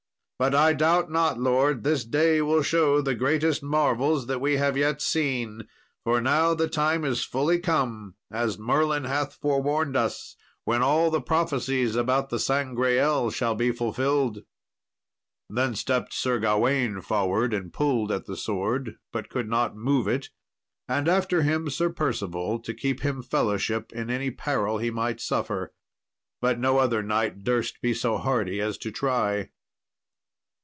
But I doubt not, lord, this day will show the greatest marvels that we yet have seen, for now the time is fully come, as Merlin hath forewarned us, when all the prophecies about the Sangreal shall be fulfilled." Then stepped Sir Gawain forward and pulled at the sword, but could not move it, and after him Sir Percival, to keep him fellowship in any peril he might suffer. But no other knight durst be so hardy as to try.